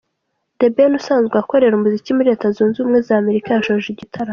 The Ben usanzwe akorera umuziki muri Leta Zunze Ubumwe za Amerika yashoje igitaramo.